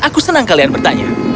aku senang kalian bertanya